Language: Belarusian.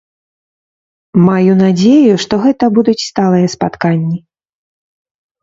Маю надзею, што гэта будуць сталыя спатканні.